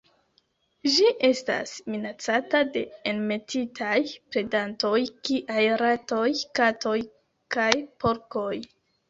Ĝi estas minacata de enmetitaj predantoj kiaj ratoj, katoj kaj porkoj.